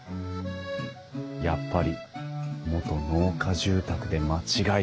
やっぱり元農家住宅で間違いない。